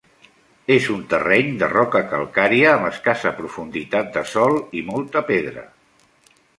És un terreny de roca calcària amb escassa profunditat de sòl i molta pedra.